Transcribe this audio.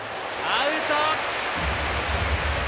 アウト。